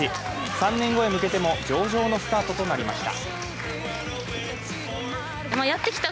３年後に向けても上々のスタートとなりました。